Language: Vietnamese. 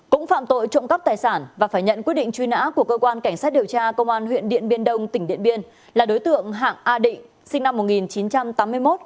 cũng phạm tội trộm cắp tài sản và phải nhận quyết định truy nã của cơ quan cảnh sát điều tra công an huyện điện biên đông tỉnh điện biên là đối tượng hạng a định sinh năm một nghìn chín trăm tám mươi một